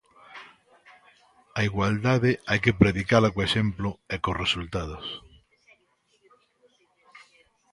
A igualdade hai que predicala co exemplo e cos resultados.